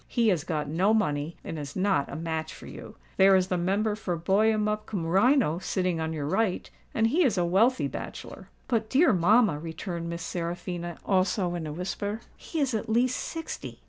He has got no money, and is not a match for you. There is the Member for Buyemup cum Rhino sitting on your right, and he is a wealthy bachelor." "But, dear mamma," returned Miss Seraphina, also in a whisper, "he is at least sixty."